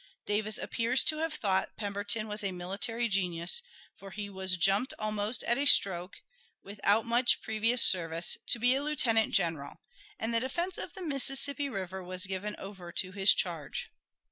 Davis appears to have thought Pemberton was a military genius, for he was jumped almost at a stroke, without much previous service, to be a lieutenant general, and the defense of the Mississippi River was given over to his charge.